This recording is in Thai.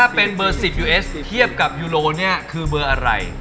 เป็นเบอร์๑๐ยูเอสเทียบกับยูโรนี่คือเบอร์อะไร